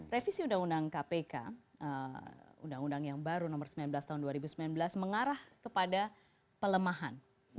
revisi undang undang kpk undang undang yang baru nomor sembilan belas tahun dua ribu sembilan belas mengarah kepada pelemahan